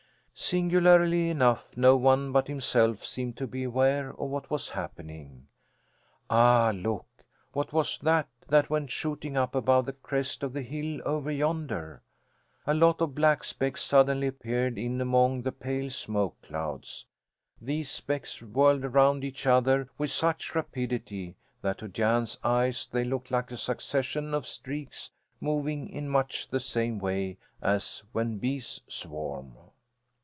Singularly enough no one but himself seemed to be aware of what was happening. Ah, look! What was that that went shooting up above the crest of the hill over yonder? A lot of black specks suddenly appeared in among the pale smoke clouds. These specks whirled round each other with such rapidity that to Jan's eyes they looked like a succession of streaks moving in much the same way as when bees swarm.